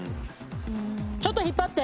ちょっと引っ張って。